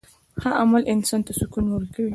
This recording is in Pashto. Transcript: ښه عمل انسان ته سکون ورکوي.